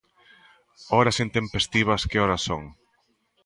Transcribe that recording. Horas intempestivas que horas son?